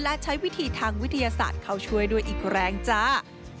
และใช้วิธีทางวิทยาศาสตร์เข้าช่วยด้วยอีกแรงจ้า